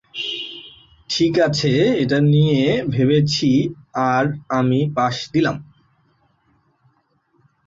ঠিক আছে, এটা নিয়ে ভেবেছি আর আমি পাস দিলাম।